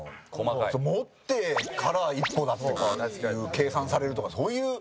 持ってから１歩だっていう計算されるとか、そういう。